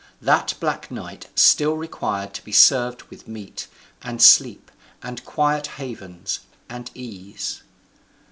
That black night still required to be served with meat, and sleep, and quiet havens, and ease.